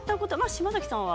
島崎さんは？